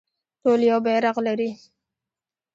ټول یو بیرغ لري